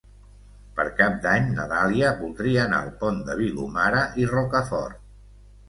Per Cap d'Any na Dàlia voldria anar al Pont de Vilomara i Rocafort.